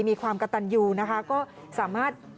มีความกระตันอยู่ก็สามารถโอนเงิน